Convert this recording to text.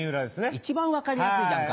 一番分かりやすいじゃんか。